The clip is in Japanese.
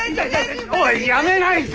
おいやめないか！